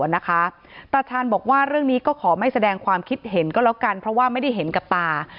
ตาชาญบอกว่าเรื่องนี้ก็ขอไม่แสดงความคิดเห็นก็แล้วกันเพราะว่าไม่ได้เห็นกับตา